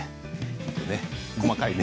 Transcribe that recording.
細かいね。